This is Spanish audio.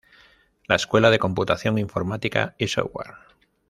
La Escuela de Computación Informática y Software.